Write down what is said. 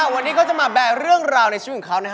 วันนี้เขาจะมาแบร์เรื่องราวในชีวิตของเขานะฮะ